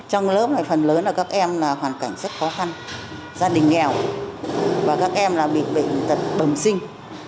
trong lớp này phần lớn là các em là hoàn cảnh rất khó khăn gia đình nghèo và các em là bị bệnh tật bầm sinh